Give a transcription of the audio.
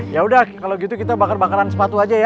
yaudah kalau gitu kita bakar bakaran sepatu aja ya